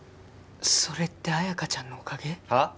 それって綾華ちゃんのおかげ？はあ！？